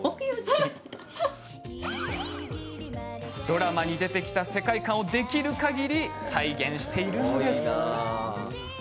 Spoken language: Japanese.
ドラマに出てきた世界観をできるかぎり再現しています。